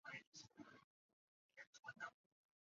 加强城市外交